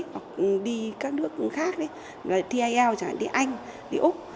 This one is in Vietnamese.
hoặc đi các nước khác thi ielts chẳng hạn đi anh đi úc